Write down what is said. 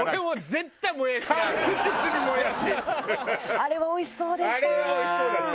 あれはおいしそうでした！